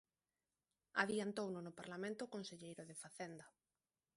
Adiantouno no Parlamento o conselleiro de Facenda.